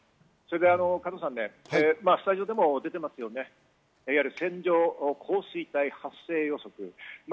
加藤さん、スタジオでも出てますよね、線状降水帯発生予測。